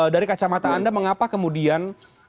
dari kacamata anda mengapa kemudian